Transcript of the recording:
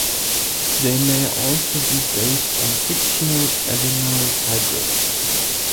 They may also be based on fictional animal hybrids.